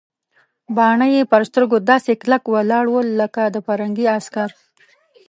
باڼه یې پر سترګو داسې کلک ولاړ ول لکه د پرنګي عسکر.